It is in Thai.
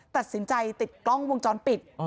ตัดสินใจติดกล้องวงจรปิด